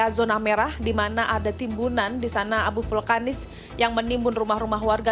zona merah di mana ada timbunan di sana abu vulkanis yang menimbun rumah rumah warga